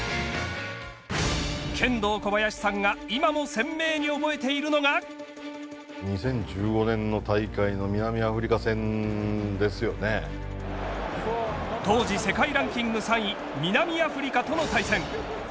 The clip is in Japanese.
ケンドーコバヤシさんが今も鮮明に覚えているのが当時、世界ランキング３位南アフリカとの対戦。